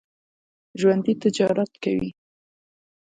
ژوندي تجارت کوي